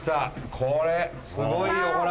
これすごいよほら